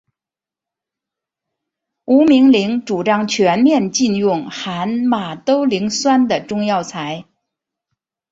吴明铃主张全面禁用含马兜铃酸的中药材。